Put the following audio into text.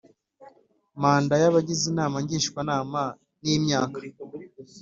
Manda y abagize Inama Ngishwanama ni imyaka